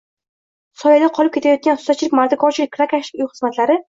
«soya»da qolib kelayotgan ustachilik, mardikorchilik, kirakashlik, uy xizmatlari